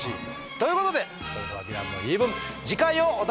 ということでそれでは「ヴィランの言い分」次回をお楽しみに。